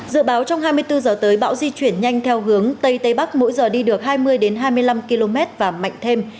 dự báo trong hai mươi bốn giờ tới bão di chuyển nhanh theo hướng tây tây bắc mỗi giờ đi được hai mươi hai mươi năm km và mạnh thêm